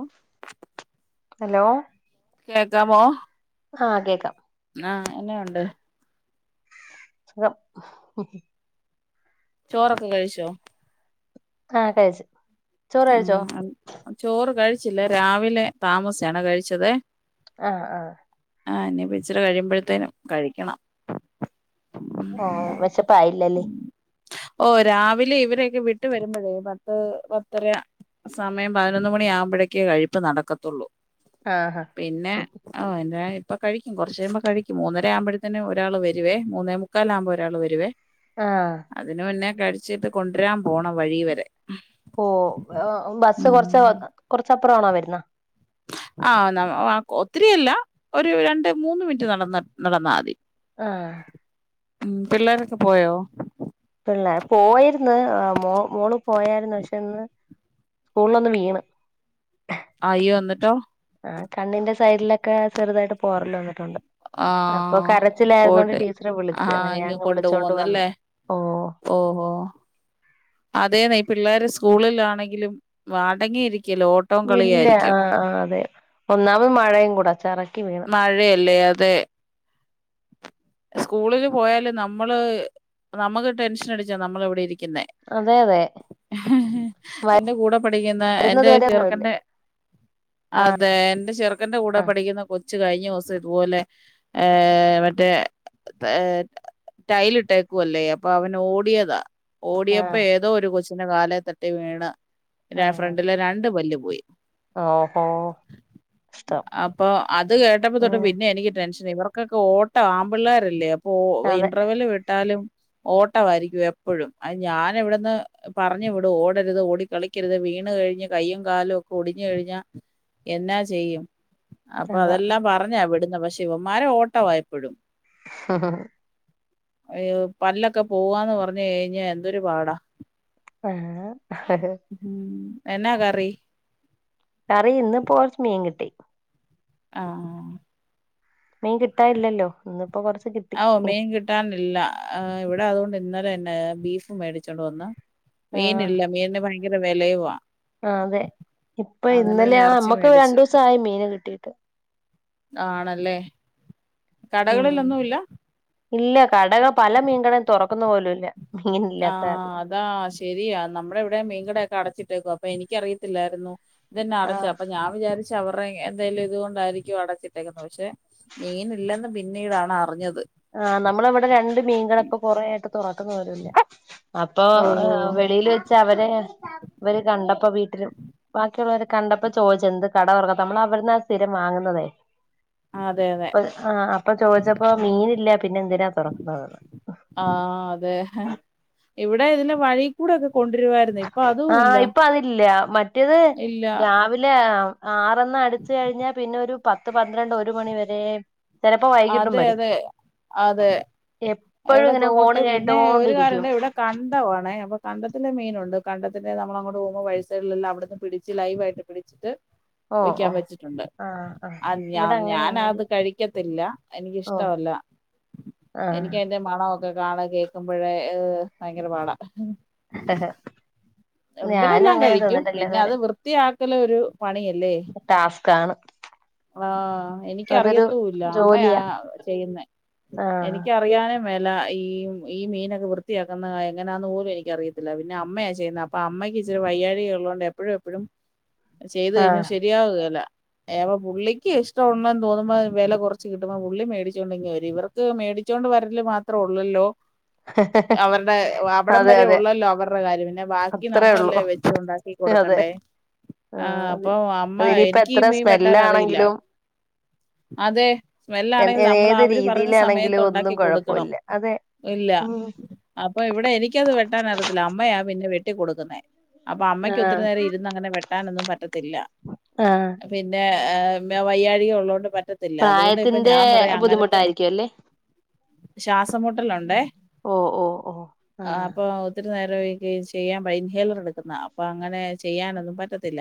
O hello കേക്കാമോ ആഹ് കേക്കാം ആഹ് എന്നാ ഉണ്ട് സുഖം ചോറൊക്കെ കഴിച്ചോ ആഹ് കഴിച്ച് ആണോ അൽ ചോറ് കഴിച്ചില്ലേ രാവിലെ താമസിച്ചാണ് കഴിച്ചതേ ആഹ് ആഹ് ആഹ് ഇനിപ്പൊ ഇച്ചിരി കഴിയുമ്പഴത്തേനും കഴിക്കണം ഓഹ് വെശപ്പായില്ല അല്ലെ ഓഹ് രാവിലെ ഇവരെയൊക്കെ വിട്ട് വരുമ്പഴേ പത്ത് പത്തരയാ സമയം പതിനൊന്ന് മണി ആകുമ്പഴേക്കേ കഴിപ്പ് നടക്കത്തൊള്ളൂ ആഹാ പിന്നെ ആഹ് ഓഹ് എന്റെ ഇപ്പ കഴിക്കും കൊറച്ച് കഴിയുമ്പൊ കഴിക്കും മൂന്നരയാവുമ്പഴത്തിന് ഒരാള് വെരുവേ മൂന്നേ മുക്കാലാവുമ്പൊ ഒരാള് വരുവേ ആഹ് അതിന് മുന്നേ കഴിച്ചിട്ട് കൊണ്ട്രാം പോണം വഴീവെരെ ഓഹ് ഇഹ് ബസ്സ് കൊർച്ച് ഉം കൊറച്ചപ്പറം ആണോ വര്ന്ന് ആഹ് നമ ആഹ് കൊ ഒത്തിരിയില്ല ഒരു രണ്ട് മൂന്ന് മിനിറ്റ് നടന്ന നടന്നാമതി ആഹ് ഉം പിള്ളേരൊക്കെ പോയോ പിള്ളേ പോയിര്ന്ന് എഹ് മോ മോള് പോയായ്ര്ന്ന് പക്ഷെ ഇന്ന് സ്കൂളിലൊന്ന് വീണ് അയ്യോ എന്നിട്ടോ ആഹ് കണ്ണിന്റെ സൈഡിലൊക്കെ ചെറുതായിട്ട് പോറല് വന്നിട്ടുണ്ട് അപ്പൊ ആഹ് കരച്ചിലായിരുന്നോണ്ട് പോയിട്ട് ടീച്ചറ് വിളിച്ച് ആഹ് അങ്ങനെ ഞാഅങ്ങ് വിളിച്ചോണ്ട് വന്ന് ഓഹ് ഓഹ് ഓഹോ അതേന്നെ പിള്ളേര് സ്കൂളിലാണെങ്കിലും അടങ്ങിയിരിക്കേല ഓ ഇല്ല ആഹ് ആഹ് അതെ ഒന്നാമത് മഴയും കൂടെ ചറക്കി വീണ് മഴയല്ലേ അതെ സ്കൂളില് പോയാല് നമ്മള് നമക്ക് ടെൻഷന്അടിച്ചാ നമ്മള് ഇവിടെ ഇരിക്ക്ന്നെ അതെ അതെ എന്റെ കൂടെ പഠിക്ക്ന്ന എന്റെ വരുന്നത് വരെ ഒന്നുമില്ല ചെറ്ക്കന്റെ ആഹ് അതേ എന്റെ ചെറുക്കന്റെ കൂടെ ആഹ് പഠിക്കുന്ന കൊച്ച് കഴിഞ്ഞദിവസം ഇത് പോലെ ഏഹ് മറ്റേ തെ എഹ് ടൈല് ഇട്ടേക്കുവല്ലേ അപ്പൊ അവൻ ഓടിയതാ ഓടിയപ്പോ ആഹ് ഏതോ ഒരു കൊച്ചിന്റെ കാലെ തട്ടി വീണ് ഫ്രണ്ടിലെ രണ്ട് പല്ല് പോയി ഓഹ് ഓഹോ ഇഷ്ടം അപ്പൊ അത് കേട്ടപ്പൊ തൊട്ട് ഉം പിന്നെ എനിക്ക് ടെൻഷനായി. ഇവർക്കൊക്കെ ഓ ട്ടം ആമ്പിള്ളാരല്ലേ അപ്പൊ അതെ ഇന്റർവെല്ല് വിട്ടാലും ഓട്ടവായിരിക്കും എപ്പഴും. അയ്ന് ഞാന് ഇവട്ന്ന് പറഞ്ഞു വിടും ഓടരുത് ഓടിക്കളിക്കരുത് വീണ് കഴിഞ്ഞ് കയ്യും കാലും ഒക്കെ ഒടിഞ് കഴിഞ്ഞ എന്നാ ചെയ്യും. അപ്പൊ അതാ അതെല്ലാം പറഞ്ഞാ വിടുന്നെ പഷേ ഇവന്മാര് ഓട്ടവാ എപ്പഴും. ഹ ഹ അയ്യോ പല്ലൊക്കെ പോവാന്ന് പറഞ്ഞു കഴിഞ്ഞാ എന്തൊരു പാടാ. ഏഹ് ഉം എന്നാ കറി? കറി ഇന്ന് പ്പോ കൊറ്ച്ച് മീൻ കിട്ടി. ആഹ്. മീൻ കിട്ടാൻ യില്ലല്ലോ. ഇന്ന് പ്പോ കൊറച്ച് കി ഔഹ് മീൻ കിട്ടാനില്ല ഇവിടെ അതുകൊണ്ട് ഇന്നലെയെന്നെ ബീഫ് മേടിച്ചൊണ്ട് വന്ന്. ആഹ് മീനില്ല മീൻന് ഭയങ്കര വെലയുവാ. ആഹ് അതെ. ഇപ്പൊ ഇന്നലെ ആഹ് ഇറച്ചി നമ്മക്ക് മേടിച്ച് രണ്ടൂസായി മീന് കിട്ടീട്ട്. ആണല്ലേ. ഉം കടകളിലൊന്നു ഇല്ല? ഇല്ല കടക പല മീൻകടയും തൊറക്കുന്നു പോലും ഇല്ല. മീനില്ലാത്ത ആഹ് കാരണം അതാ ശരിയാ നമ്മുടെ ഇവിടേം മീൻകടെയൊക്കെ അടച്ചിട്ടേക്കുവാ. അപ്പൊ എനിക്കറിയത്തില്ലായിരുന്നു ഇതെന്നാ അടച്ചേ ആഹ് അപ്പൊ ഞാൻ വിചാരിച്ച് അവർടെ എന്തേലും ഇതുകൊണ്ടായിരിക്കും അടച്ചിട്ടേക്കുന്നെ. പക്ഷെ മീനില്ലെന്ന് പിന്നീടാണ് അറിഞ്ഞത്. ആഹ് നമ്മളെവെടെ രണ്ട് മീൻ കട ഇപ്പ കൊറെ ആയിട്ട് തൊറക്കുന്ന പോലുല്ല. അപ്പൊ ഓഹോ വെളിയിൽ വെച്ച് അവരെ ഇവര് കണ്ടപ്പോ വീട്ടില് ബാക്കിയുള്ളവര് കണ്ടപ്പോ ചോദിച്ച് എന്ത കട തൊറക്കാത്തെ നമ്മള് അവ്ര്ന്നാ സ്ഥിരം വാങ്ങുന്നതേ. അതെ അതെ അപ് ആഹ് അപ്പൊ ചോദിച്ചപ്പോ മീനില്ല പിന്നെ എന്തിനാ തൊറക്ക്ന്നതെന്ന്. ആഹ് അതെ ഇവിടെ ഇതിന്റെ വഴി കൂടെ ഒക്കെ കൊണ്ട്രുവായിരുന്നു. ഇ ആഹ് ഇപ്പൊ അതില്ല. മറ്റെത് ഇല്ല രാവിലെ ആറ്ന്ന് അടിച്ച് കഴിഞ്ഞാ പിന്നെ ഒരു പത്ത് പന്ത്രണ്ട് ഒരു മണി വരെ. ചെലപ്പോ വൈകിട്ടും അതെ വരും. അതെ അതെ എപ്പഴും ഇവിടെ ഇങ്ങനെ തോട്ട് ഹോണ് പിന്നെ ഒരു കേട്ടോണ്ടിരിക്കും. കാര്യണ്ട് ഇവിടെ കണ്ടവാണേ, അപ്പൊ കണ്ടത്തിലെ മീനുണ്ട്. കണ്ടത്തിന്റെ നമ്മളങ്ങോട്ട് പോവുമ്പോ വഴിസൈഡിലെല്ലാം അവിടുന്ന് പിടിച്ച് ലൈവായിട്ട് പിടിച്ചിട്ട് ഓ ഓ വിക്ക്യാൻ വച്ചിട്ടുണ്ട്. ആഹ് ആഹ് അത് ഞാ ഇവിടെ ഞാൻ അത് അങ്ങനെയൊന്നുല്ല കഴിക്കത്തില്ല. ഓ എനിക്കഷ്ടവല്ല ആഹ് എനിക്കയ് ന്റെ മണ ഒക്കെ കാണെ കേക്കുമ്പഴേ ഭയങ്കര പാടാ. ഞാനും ഇവരെല്ലാം അങ്ങനെ കഴിക്കും തിന്നിട്ടില്ല പിന്നെ ഇതുവരെ അത് വൃത്തിയാക്കല് ഒരു പണിയല്ലേ. ടാസ്കാണ് ആഹ് അതൊരു എനിക്കറിയത്തൂല്ല അമ്മയാ ജോലിയാ ചെയ്യുന്നേ. ആഹ് എനിക്ക്യ റിയാനും മേലാ. ഈ ഈ മീനൊക്കെ വൃത്തിയാക്കുന്ന എങ്ങനാന്ന് പോലും എനിക്കറിയത്തില്ല. പിന്നെ അമ്മയാ ചെയ്യുന്നെ അപ്പൊ അമ്മക്ക് ഇച്ചിരി വയ്യാഴിക ഉള്ളോണ്ട് എപ്പഴും എപ്പഴും ചെയ്തു കയിഞ്ഞ ആഹ് ശരിയാവുകേല്ല. ഏഹ് പ്പൊ പുള്ളിക്ക് ഇഷ്ട ഉണ്ടെന്ന് തോന്നുമ്പം വെല കുറച്ച് കിട്ടുമ്പം പുള്ളി മേടിച്ചോണ്ടിങ്ങ് വരും. ഇവർ ക്ക് മേടിച്ചോണ്ട് വരല് മാത്രൊള്ളല്ലോ. അവര്ടെ അവിടം അതെ വരെ അതെ ഒള്ളല്ലോ അവര്ടെ കാര്യം. പിന്നെ ബാ ക്കി അത്രേ ഉള്ളൂ നമ്മളല്ലേ വെച്ചുണ്ടാക്കി അതെ കൊടുക്കെണ്ടേ. ആഹ് അപ്പൊ അമ്മ അതിനിയിപ്പ എനിക്കീ എത്ര മീൻ വെട്ടാൻ അറിയില്ല. സ്മെല്ലാണെങ്കിലും അതെ സ്മെല്ലാണെങ്കില് നമ്മള് ഏത് അവര് പറയണ സമയത്ത് രീതിയിലാണെങ്കിലും ഒന്നും ഒണ്ടാക്കി കൊടുക്കണം കുഴപ്പമില്ല അതെ ഇല്ല ഉം അപ്പൊ ഇവടെ എനിക്കത് വെട്ടാൻ അറിയത്തില്ല അമ്മയാ പിന്നെ വെട്ടിക്കൊടുക്കുന്നേ അപ്പൊ അമ്മക്ക് ആഹ് ഒത്തിരി നേരം ഇരു ന്നങ്ങനെ വെട്ടാനൊന്നും പറ്റത്തില്ല ആഹ് പിന്നെ ഏ വയ്യാഴിക ഒള്ളോണ്ട് പറ്റ ത്തില്ല അതുകൊണ്ട് ഇപ്പൊ പ്രായത്തിന്റെ ഞാൻ പറയാം അങ്ങനത്തെ ബുദ്ധിമുട്ടായിരിക്കും അല്ലേ ശ്വാസംമുട്ടലുണ്ടേ ഓ ഓ ഓ ആ ആഹ് അപ്പൊ ഒത്തിരി നേരം ചെയ്യാൻ ഇൻഹേലർ എടുക്കുന്നതാ അപ്പൊ അങ്ങനെ ചെയ്യാനൊന്നും പറ്റത്തില്ല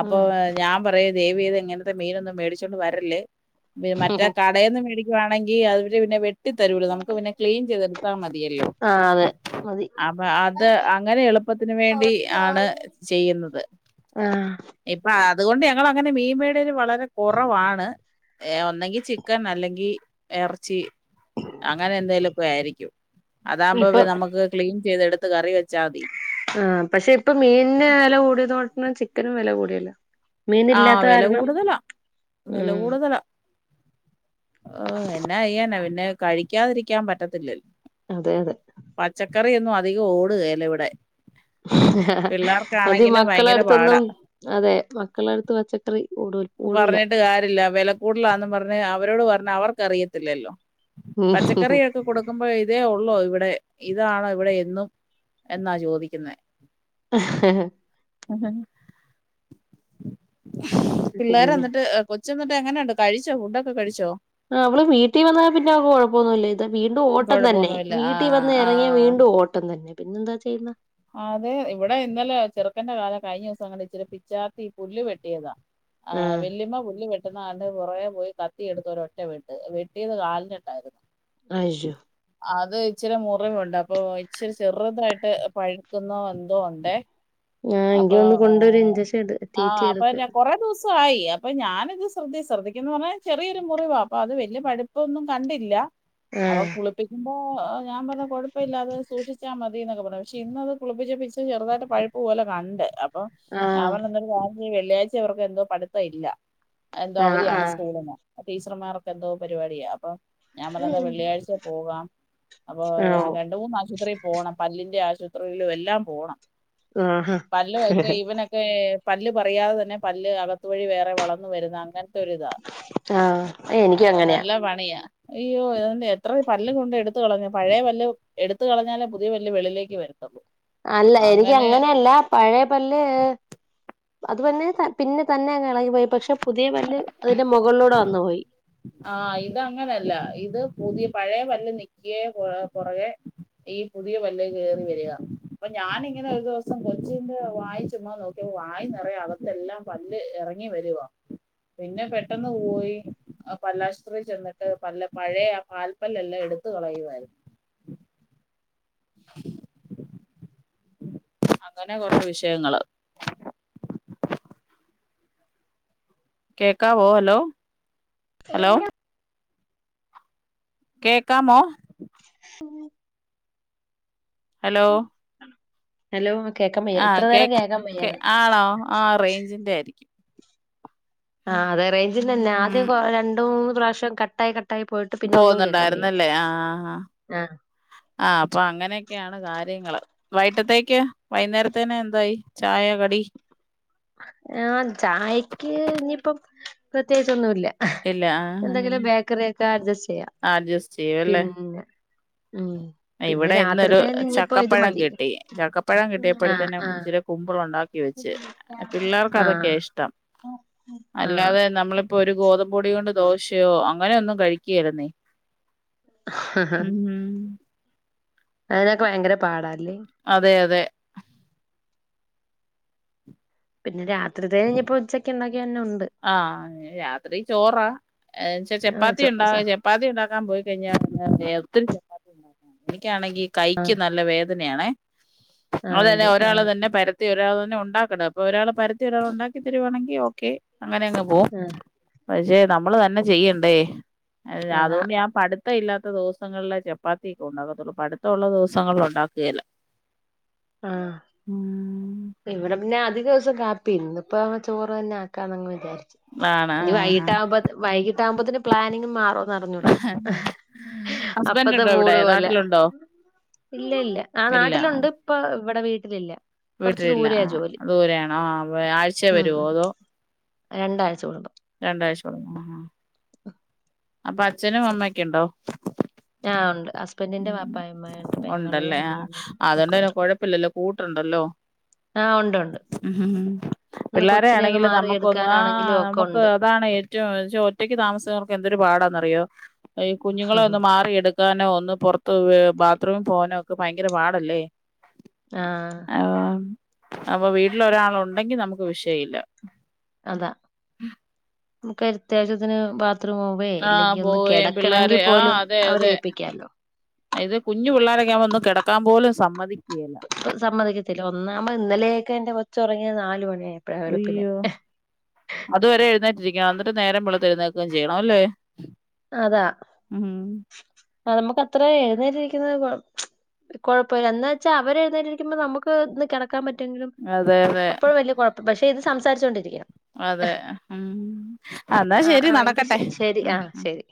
അപ്പൊ ഉം ഞാൻ പറയും ദയവേത് ഇങ്ങനത്തെ മീനൊന്നും മേടിച്ചൊണ്ട് വരല്ലേ മറ്റേ കടേന്ന് മേടിക്കുവാണെങ്കി അവര് പിന്നെ വെട്ടി തരൂലോ നമുക്ക് പിന്നെ ക്ലീൻ ചെയ്ത് ത്താ മതിയല്ലോ ആഹ് അതെ മതി അപ്പൊ അത് അങ്ങനെ എളുപ്പത്തിന് വേണ്ടി ആണ് ചെയ്യുന്നത് ആഹ് ഇപ്പ അതുകൊണ്ട് ഞങ്ങളങ്ങനെ മീൻ മേടൽ വളരെ കൊറവാണ് ഏ ഒന്നെങ്കി ചിക്കൻ അല്ലെങ്കി എറച്ചി അങ്ങനെന്തേലൊക്കെ ആയിരിക്കും അതാകുമ്പോ ഇപ്പൊ നമ്മക്ക് ക്ലീൻ ചെയ്ത് എടുത്ത് കറി വെ ച്ചാ മതി ആഹ് പക്ഷെ ഇപ്പൊ മീനിന് വെല കൂടിയതോണ്ട് ചിക്കനും വെല കൂടിയല്ലോ ആഹ് മീനില്ലാത്ത വെല കാരണം കൂടുതലാ. ഉം ഓ എന്നെയ്യാന പിന്നെ കഴിക്കാതിരിക്കാൻ പറ്റത്തില്ലല്ലോ അതെ അതെ പച്ചക്കറിയൊന്നും അധികം ഓടുകേലാ ഇവിടെ അത് പിള്ളേർക്കാണെങ്കിലും ഭയങ്കര പാടാ. മക്കളടുത്തൊന്നും അതെ മക്കളടുത്ത് പച്ചക്കറി ഓടു പറഞ്ഞിട്ട് കാര്യല്ല വെല കൂടുലാന്ന് പറഞ്ഞ് അവരോട് പറഞ്ഞ് അവർക്കറിയത്തില്ലല്ലോ ഉം പച്ചക്കറിയൊക്കെ കൊടുക്. ക്കുമ്പോ ഇതേ ഉള്ളോ ഇവിടെ ഇതാണോ ഇവിടെ എന്നും എന്നാ ചോദിക്കുന്നെ. ഹി ഹി പിന്നെ പിള്ളോരെന്നിട്ട്. കൊച്ച്ന്നിട്ടെങ്ങനെയുണ്ട് കഴിച്ചോ ഫുഡൊക്കെ കഴിച്ചോ? ആ അവള് വീട്ടി വന്നാൽ പിന്നെ അവൾക്ക് കൊഴപ്പൊന്നുല്ല. വീണ്ടും ഓട്ടം തന്നെ കുഴപ്പമൊന്നുമില്ല വീട്ടി ആഹ് വന്ന് ഇറങ്ങിയാ ആഹ് വീണ്ടും ഓട്ടം തന്നെ പിന്നെന്താ ചെയ്യുന്നെ? അതെ ഇവിടെ ഇന്നലെ ചെറുക്കന്റെ കാലം കഴിഞ്ഞ ദിവസം കണ്ട് ഇച്ചിരി പിച്ചാത്തി പുല്ല് വെട്ടിയതാ. ആഹ് വല്ലിമ പുല്ല് വെ. പെട്ടെന്നാണ്ട് പുറെകെ പോയി കത്തിയെടുത്തൊരറ്റെ വെട്ട് വെട്ടിയത് കാലിനിട്ടായിരുന്നു. അയ്യോ അത് ഇച്ചിരി മുറിവുണ്ട് അപ്പൊ ഇച്ചിരി ചെറുതായിട്ട് പഴുക്കുന്നോ എന്തോ ഉണ്ടേ. ആഹ് എങ്കി അപ്പൊ ഒന്ന് കൊണ്ടൊരു ഇഞ്ചക്ഷൻ എട് റ്റി ആഹ റ്റി ആഅപ്പൊ എടുക്ക് കൊറേ ദോസം. സായി അപ്പൊ ഞാനിത് ശ്രദ്ധി ശ്രദ്ധിക്കുന്ന് പറഞ്ഞാൽ ചെറിയൊരു മുറിവാ അപ്പൊ അത് വലിയ പഴുപ്പൊന്നും കണ്ടില്ല. അപ്പൊ ആഹ് കുളിപ്പിക്കുമ്പോ ഞാൻ പറഞ്ഞു കുഴപ്പമില്ലാ സൂക്ഷിച്ചാ മതി ന്നൊക്കെ പറഞ്ഞെ. പക്ഷെ ഇന്നത് കുളിപ്പിച്ചപ്പ ഇചിരി ചെറുതായിട്ട് പഴുപ്പ് പോലെ കണ്ട് അപ്പൊ ഞാൻ ആഹ് പറഞ്ഞ് വെള്ളിയാഴ്ച അവർക്ക് എന്തോ പഠിത്തം ഇല്ല എന്തോ ആഹ് അവധിയാണ് ആഹ് സ്കൂളിന്. ടീച്ചർമാർക്ക് എന്തോ പരിപാടിയാ അപ്പൊ. ഞാൻ പറഞ്ഞു ന്നാ വെള്ളിയാഴ്ച പോകാം അപ്പൊ രണ്ട് മൂന്ന് ആശുപത്രിയിൽ പോണം പല്ലിന്റെ ആശു യിലും എല്ലാം പോണം ആഹ് ആഹാ പല്ലുവെക്കെ ഇവനൊക്കെ. പല്ല് പറിയാതെ തന്നെ പല്ല് അകത്ത് വഴി വേറെ വളർന്നു വരുന്ന അങ്ങനെ. ഒരിതാ ആഹ് എനിക്കും അങ്ങനെയാ നല്ല പണിയാ. അയ്യോ അ എത്രയും പല്ല് കൊണ്ട് അയ്യോ. അതോണ്ട് എത്ര പല്ല് [unintelligible] എടുത്തു കളഞ്ഞു. പഴയ പല്ല് എടുത്ത് കളഞ്ഞാലെ പുതിയ പല്ല് വെളിയിലേക്ക് വര. [inaudible] അല്ല എനിക്ക് അങ്ങനെയല്ല. പഴേ പല്ല് അത് പിന്നെ പിന്നെ തന്നെ അങ്ങെളകി പോയി പക്ഷെ. പുതിയ പല്ല് അതിന്റെ മൊകള്ലൂടെ വന്നു പോയി. ആഹ് ഇത് അങ്ങനല്ല. ഇത് പുതിയ പഴയ പല് നിക്കെ പൊറകെ. ഈ പുതിയ പല്ല് കേറി വര്ക. അപ്പൊ ഞാന് ഇങ്ങനെ ഒരു ദിവസം കൊച്ചിന്റെ വായി ചുമ്മാ നോക്കിയപ്പോ. വായി നെറയെ അകത്തെല്ലാം. പല്ല് എറങ്ങി വരുവാ. പിന്നെ പെട്ടെന്ന് പോയി. പല്ലാശുപത്രിയിൽ ചെന്നിട്ട് പല്ല പഴയ ആ പാൽപ്പല്ലെല്ലാം എടുത് കളയുവായിരുന്നു. അങ്ങനെ കൊറേ വിഷയങ്ങള്. കേൾക്കാവൊ. ഹലൊ. ഹലൊ. കേൾക്കാമോ? [unintelligible] ഹലോ. ഹലോ കേക്ക ആ കേക്ക്. കെ ആണോ. ആ റേയ്ഞ്ചിന്റെ ആയിരിക്കും. ആ അതെ. റേയ്ഞ്ചിന്റെ തന്നെ യാ ആദ്യം ഉം രണ്ടു മൂന്ന് പ്രാവശ്യം കട്ടായി കട്ടായി പോയിട്ട്. പിന്നെ ഒന്നും കേൾക്കാൻ വയ്യ പോവുന്നുണ്ടായിരുന്നല്ലെ ആഹ് ആഹ് അപ്പൊ അങ്ങനെയൊക്കെയാണ് കാര്യങ്ങള്. വൈട്ടത്തേക്ക് വൈകുന്നേരത്തിന് എന്തായി ചായ കടി. ആ ചായക്ക് ഇഞ്ഞിപ്പം പ്രത്യേകിച്ചൊന്നുല്ല. ഇല്ല ആഹ് ആഹ് എന്തെങ്കിലും ബേക്കറി ഒക്കെ അഡ്ജസ്റ്റ് ചെയ്യാം അഡ്ജസ്റ്റ് ചെയ്യുവല്ലേ പിന്നെ. ഉം പിന്നെ ഇവിടെ ഇന്നൊരു രാത്രിത്തേന് ഇനിയിപ്പോ ഇത് ചക്കപ്പഴം മതി കിട്ടി ചക്കപ്പഴം ആ കിട്ടിയപ്പോഴത്തിന്നും. ആ ഇച്ചിര കുമ്പിളുണ്ടാക്കി വെച്ച്. പിള്ളേർക്ക് ആ അതൊക്കെയാ ഇഷ്ടം ആ അല്ലാതെ നമ്മളി ഇപ്പൊ ഒരു ഗോതമ്പൊടി കൊണ്ട് ദോശയോ അങ്ങനെ ഒന്നും കഴിക്കേലന്നെ. ഉം ഉം അതിനൊക്കെ ഭയങ്കര പാടാല്ലെ. അതെ അതെ പിന്നെ രാത്രിത്തേന് ഇഞ്ഞ്പ്പൊ ഉച്ചക്ക് ഇണ്ടാക്കിയ തന്നെ ഒണ്ട് ആഹ് രാത്രി ചോറാ. എച്ചാ ആ ചപ്പാത്തി ചോ സ ഇണ്ടാവെ ചപ്പാത്തി ഇണ്ടാക്കാൻ പോയി കഴിഞ്ഞാ പിന്നെ ഒത്തിരി ചപ്പാ എനിക്കാണെങ്കി കൈക്ക് നല്ല വേദനയാണെ. അത് ആഹ് തന്നെ അതെ ഒരാൾ ആഹ് തന്നെ പരത്തി ഒരാൾ തന്നെ ഒണ്ടാക്കണ്ടെ അപ്പൊ ഒരാൾ പരത്തി ഒരാൾ ഒണ്ടാക്കി തരുവാണെങ്കി ഓക്കെ. അങ്ങനെ അങ്ങ് പോവും. ആഹ് പക്ഷെ നമ്മള് തന്നെ ചെയ്യണ്ടേ അതാ അതുകൊണ്ട് ഞാൻ പട് ത്തം ഇല്ലാത്ത ദിവസങ്ങളിലെ ചപ്പാത്തിക്കെ ഒണ്ടാക്കത്തുള്ളൂ പടുത്തവൊള്ള ദിവസങ്ങളിൽ ഒണ്ടാക്കേല്ല ആഹ് ഉം ഇവിടെ പ്പിന്നെ അധിക ദിവസം കാപ്യന്നെ. ഇന്നിപ്പ ചോറ് തന്നെ ആക്കാന്നങ്ങ് വിചാരിച്ചു. ആണ് ഇനി ആഹ് വൈകിട്ട് ആകുമ്പ വൈകിട്ട ആകുമ്പോത്തിന് പ്ലാനിങ്ങ് മാറോന്ന് അറിഞ്ഞൂടാ. ഹസ്ബൻഡ് അപ്പത്തെ ഉണ്ടോ ഇവിടെ മൂട് പോലെ നാട്ടിലുണ്ടോ ഇല്ലല്ല ആഹ് ഇല്ല നാട്ടിലൊണ്ട്. ഇപ്പൊ ഇവിടെ വീട്ടിലില്ല. കുറച്ച് വീട്ടിലില്ല, ദൂരെയാ ആഹ് ജോലി ദൂരെയണോ. ആഹ് ആഴ്ച്ചെ ഉം വരുവോ ഉം അതോ രണ്ടാഴ്ച കൂടുമ്പോ. രണ്ടാഴ്ച കൂടുമ്പോ. അപ്പൊ അച്ഛനും അമ്മക്കെ ഉണ്ടോ? ഞാ ഉണ്ട് ഹസ് ഒണ്ടല്ലേ. ആഹ് അനിയന് ഒക്കെ അതൊണ്ടല്ലേ ഉണ്ട് കൊഴപ്പില്ലല്ലോ കൂട്ടുണ്ടല്ലോ. ആഹ് ഒണ്ട് ഒണ്ട്. പിള്ളാരെ ആണെങ്കിലും നമുക്കൊന്ന് ആഹ് മാറിയെടുക്കാനാണെങ്കിലും ഒക്കെ നമുക്ക് ഉണ്ട് അതാണെയ് റ്റൊചൊ ഒറ്റക്ക് താമസക്കാർക്ക് എന്തൊരു പാടാന്നറിയോ ഈ കുഞ്ഞുങ്ങളെ ഒന്ന് മാറിയ എടുക്കാനോ ഒന്നും പൊറത്ത് ബാത്റൂം പോകാനൊക്കെ ഭയങ്കര പാടല്ലേ. ആഹ് അപൊ അപൊ വീട്ടിൽ ഒരാൾ ഒണ്ടെങ്കി നമുക്ക് വിഷയില്ല. അതാ നമുക്ക് അത്യാവശ്യത്തിന് ബാത്റൂമോ വേ ആ അല്ലെങ്കിൽ ഒന്ന് പോവേം കെടക്കണെ പിള്ളാരെ മെങ്കിൽ പോലും അവരെ ഏൽപ്പിക്കാല്ലോ. അയിന്റെ കുഞ്ഞ് പിള്ളാരൊക്കെ ആവുമ്പ ഒന്നും കെടക്കാൻ പോലും സമ്മതിക്കേല. അത് സമ്മതിക്കത്തില്ല. ഒന്നാമത് ഇന്നലെയൊക്കെ എന്റെ കൊച്ചുറങ്ങിയത് നാല് മണിയായി. അയ്യോ അതുവരെ എഴുന്നേറ്റിരിക്കണം. എന്നിട്ട് നേരം വെളളുത്ത് എഴുന്നേക്കുകയും ചെയ്യണം അല്ലേ. അതാ ഉം ആഹ് നമുക്ക് അത്രേ എഴുന്നേറ്റിരിക്കുന്നത് കൊ കൊഴപ്പല്ല. എന്ന് വെച്ചാ അവര് എഴുന്നേറ്റിരിക്കുമ്പോ നമുക്ക് ഇന്ന് കിട ക്കാൻ പറ്റോങ്കിലും അതെ അതെ അപ്പോഴും വലിയ കുഴപ്പം. പക്ഷെ ഇത് സംസാരിച്ചോണ്ടിരിക്കണം അതെ ഉം അന്നാ ആ ശരി ആ എങ്കിൽ നടക്കട്ടെ. ശരി ഉം ആ ശരി.